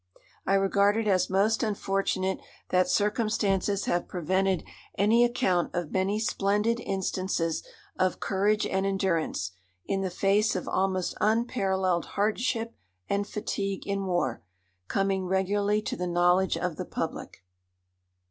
"I regard it as most unfortunate that circumstances have prevented any account of many splendid instances of courage and endurance, in the face of almost unparalleled hardship and fatigue in war, coming regularly to the knowledge of the public."